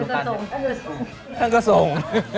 ท่านก็ส่ง